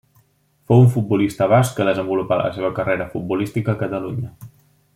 Fou un futbolista basc que desenvolupà la seva carrera futbolística a Catalunya.